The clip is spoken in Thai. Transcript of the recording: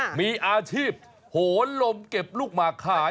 มีอาชีพโหนลมเก็บลูกหมากขาย